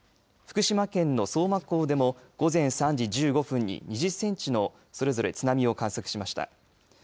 福島県の相馬港でも午前３時１５分に２０センチのそれぞれ津波を観測しました。